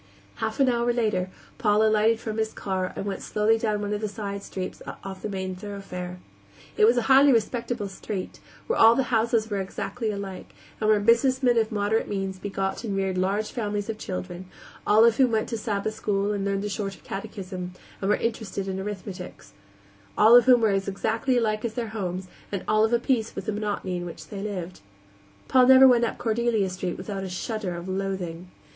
Half an hour later Paul alighted from his car and went slowly down one of the side streets off the main thoroughfare. It was a highly respectable street, where all the houses were exactly alike, and where businessmen of moderate means begot and reared large families of children, all of whom went to Sabbath school and learned the shorter catechism, and were interested in arithmetic; all of whom were as exactly alike as their homes, and of a piece with the monotony in which they lived. Paul never went up Cordelia Street without a shudder of loathing.